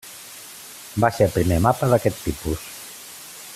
Va ser el primer mapa d'aquest tipus.